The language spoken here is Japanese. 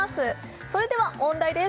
それでは問題です